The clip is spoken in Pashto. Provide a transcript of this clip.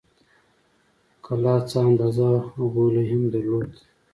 کلا څه اندازه غولی هم درلود.